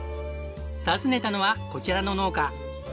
訪ねたのはこちらの農家。